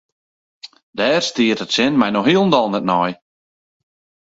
Dêr stiet it sin my no hielendal net nei.